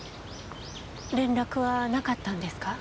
連絡はなかったんですか？